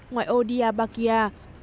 ngoài ô diabakia